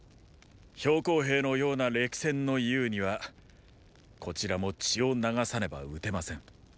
公兵のような歴戦の雄にはこちらも血を流さねば討てません。